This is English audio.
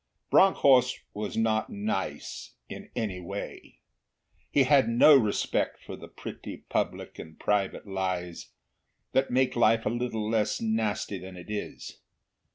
Bronckhorst was not nice in any way. He had no respect for the pretty public and private lies that make life a little less nasty than it is.